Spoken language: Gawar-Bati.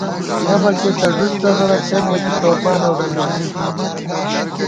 یَہ بَکے تہ ݫُد ݫَغڑہ تېمبَکےتوپان اؤ ڈل بنزِل تاسہ